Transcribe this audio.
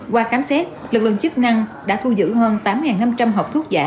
qua khám xét lực lượng chức năng đã thu giữ hơn tám năm trăm linh hộp thuốc giả